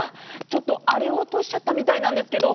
ちょっとあれをおとしちゃったみたいなんですけど。